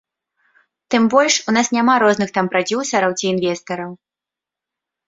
Тым больш, у нас няма розных там прадзюсараў ці інвестараў.